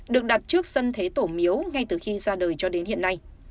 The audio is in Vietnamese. được đặt trước sân thế tổ miếu ngay từ khi ra đời cho đến hiện nay